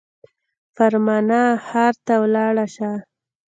فرمانه ښار ته ولاړ سه.